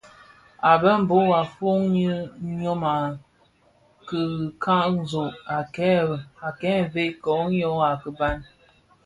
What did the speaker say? A mbembo a foňi ňyon a kikanzog a kè vëg koň ňyô a kiban.